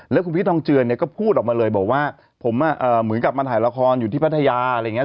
แล้วคุณพีชทองเจือเนี่ยก็พูดออกมาเลยบอกว่าผมเหมือนกลับมาถ่ายละครอยู่ที่พัทยาอะไรอย่างนี้